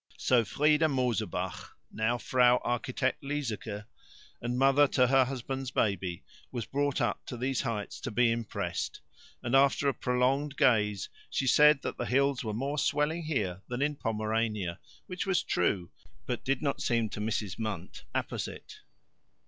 So Frieda Mosebach, now Frau Architect Liesecke, and mother to her husband's baby, was brought up to these heights to be impressed, and, after a prolonged gaze, she said that the hills were more swelling here than in Pomerania, which was true, but did not seem to Mrs. Munt apposite.